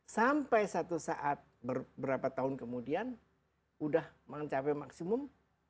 sampai satu saat berapa tahun kemudian sudah mencapai maksimum